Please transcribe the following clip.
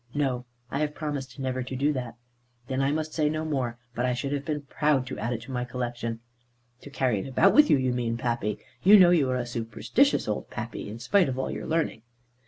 "No; I have promised never to do that." "Then I must say no more; but I should have been proud to add it to my collection." "To carry it about with you, you mean, Pappy. You know you are a superstitious old Pappy, in spite of all your learning."